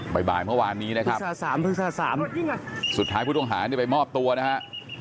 บ่ายบายเมื่อวานนี้นะครับภาษา๓ภาษา๓สุดท้ายผู้ต้องหาไปมอบตัวนะฮะ